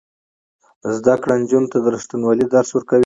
زده کړه نجونو ته د ریښتینولۍ درس ورکوي.